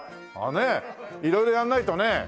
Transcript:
ねえ色々やらないとね。